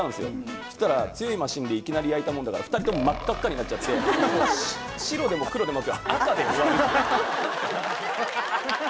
そしたら強いマシンでいきなり焼いたもんだから２人とも真っ赤っかになっちゃって白でも黒でもなく。